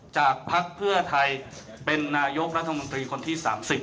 พักเพื่อไทยเป็นนายกรัฐมนตรีคนที่๓๐